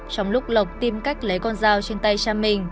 trong lúc lộc tìm cách lấy con dao trên tay cha mình